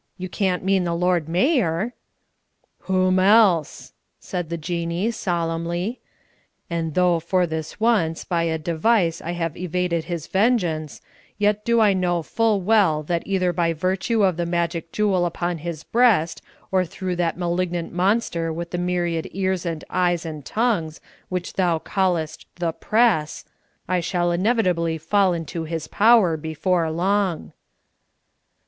You can't mean the Lord Mayor?" "Whom else?" said the Jinnee, solemnly. "And though, for this once, by a device I have evaded his vengeance, yet do I know full well that either by virtue of the magic jewel upon his breast, or through that malignant monster with the myriad ears and eyes and tongues, which thou callest 'The Press,' I shall inevitably fall into his power before long."